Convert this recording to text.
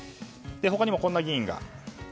他にもこんな議員が。